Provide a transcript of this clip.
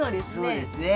そうですね。